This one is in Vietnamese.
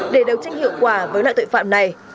để đấu tranh hiệu quả với loại tội phạm này